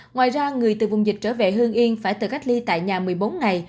ngoài ra người từ vùng dịch trở về hương yên phải tự cách ly tại nhà một mươi bốn ngày